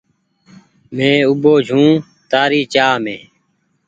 مين اوٻو ڇون تآري چآه مين ۔